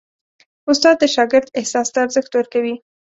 استاد د شاګرد احساس ته ارزښت ورکوي.